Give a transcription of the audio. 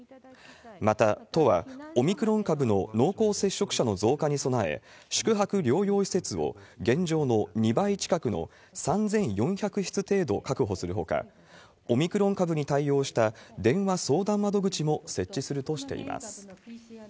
また、都はオミクロン株の濃厚接触者の増加に備え、宿泊療養施設を現状の２倍近くの３４００室程度確保するほか、オミクロン株に対応した電話相談窓口も設置するとしています。